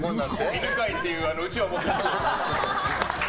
犬飼っていううちわ持って。